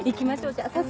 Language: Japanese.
じゃあ早速。